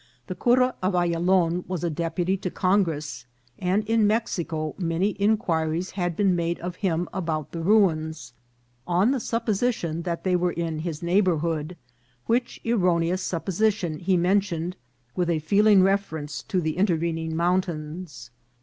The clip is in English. The cura of Ayalon was a deputy to Congress, and in Mexico many inquiries had been made of him about the ruins, on the supposition that they were in his neighbourhood, which erroneous sup position he mentioned with a feeling reference to the intervening mountains.